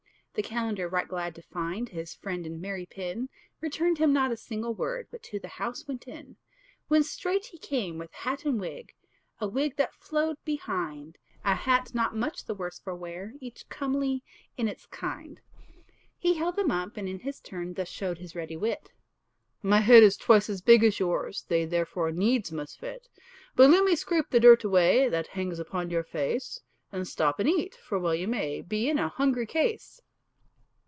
The calender, right glad to find His friend in merry pin, Returned him not a single word, But to the house went in; Whence straight he came with hat and wig, A wig that flowed behind, A hat not much the worse for wear, Each comely in its kind. He held them up, and in his turn Thus showed his ready wit, "My head is twice as big as yours, They therefore needs must fit. "But let me scrape the dirt away That hangs upon your face; And stop and eat, for well you may Be in a hungry case."